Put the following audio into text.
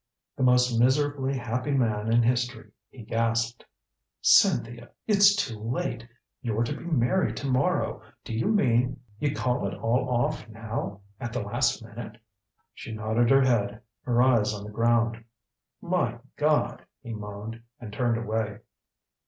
The most miserably happy man in history, he gasped. "Cynthia! It's too late you're to be married to morrow. Do you mean you'd call it all off now at the last minute?" She nodded her head, her eyes on the ground. "My God!" he moaned, and turned away.